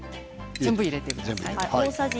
全部入れてください。